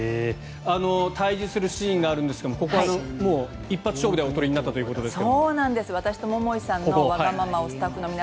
対峙するシーンがあるんですがここはもう一発勝負でお撮りになったということですが。